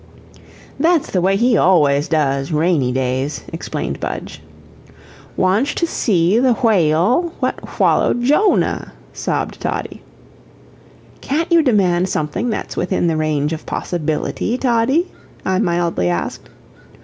"That's the way he ALWAYS does, rainy days," explained Budge. "Wantsh to see the whay al what fwollowed Djonah," sobbed Toddie. "Can't you demand something that's within the range of possibility, Toddie?" I mildly asked.